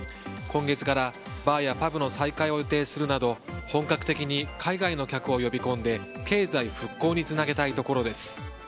今月からバーやパブの再開を予定するなど本格的に海外の客を呼び込んで経済復興につなげたいところです。